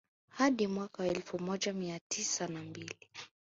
Hadi mwaka wa elfu moja mia tisa na mbili